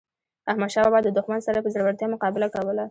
احمد شاه بابا د دښمن سره په زړورتیا مقابله کوله.